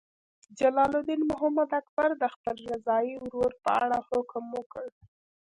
جلال الدین محمد اکبر د خپل رضاعي ورور په اړه حکم وکړ.